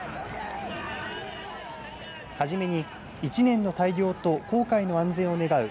初めに一年の大漁と航海の安全を願う